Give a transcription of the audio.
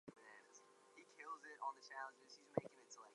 His paternal uncle was Arthur Smyth, Archbishop of Dublin.